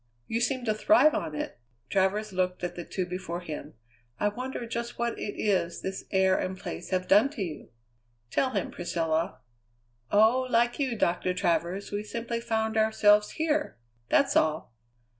"You seem to thrive on it." Travers looked at the two before him. "I wonder just what it is this air and place have done to you?" "Tell him, Priscilla." "Oh, like you, Doctor Travers, we simply found ourselves here! That's all."